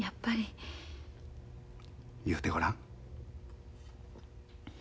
言うてごらん。